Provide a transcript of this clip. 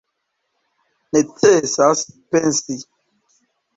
Necesas pensi.